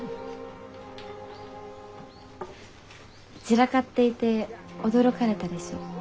散らかっていて驚かれたでしょ？